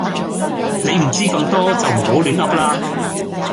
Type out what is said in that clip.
你唔知咁多就唔好亂嗡啦